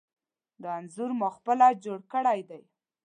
دا انځور ما پخپله جوړ کړی دی.